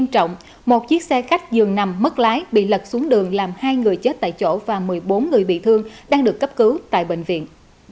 trong xe khách dường nằm mất lái bị lật xuống đường làm hai người chết tại chỗ và một mươi bốn người bị thương đang được cấp cứu tại bệnh viện